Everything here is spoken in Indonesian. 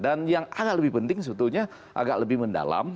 dan yang agak lebih penting sebetulnya agak lebih mendalam